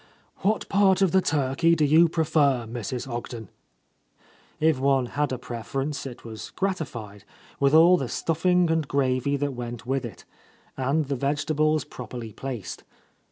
"What part of the turkey do you prefer, Mrs. Ogden?" If one had a preference, it was gratified, with all the stuffing and gravy that went with it, and the vegetables properly placed.